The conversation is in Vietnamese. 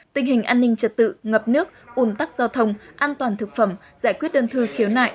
tình hình an ninh trật tự ngập nước ủn tắc giao thông an toàn thực phẩm giải quyết đơn thư khiếu nại